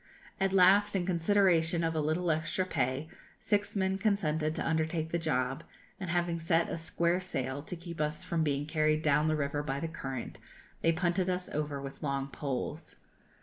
At last, in consideration of a little extra pay, six men consented to undertake the job, and having set a square sail, to keep us from being carried down the river by the current, they punted us over with long poles.